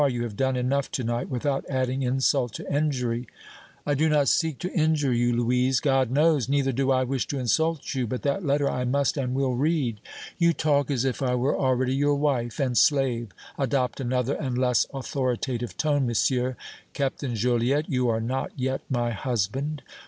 You have done enough to night, without adding insult to injury!" "I did not seek to injure you, Louise, God knows! Neither do I wish to insult you; but that letter I must and will read!" "You talk as if I were already your wife and slave. Adopt another and less authoritative tone, monsieur. Captain Joliette, you are not yet my husband!"